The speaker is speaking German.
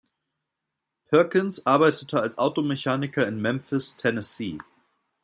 Perkins arbeitete als Automechaniker in Memphis, Tennessee.